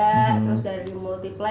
terus dari multiplex ada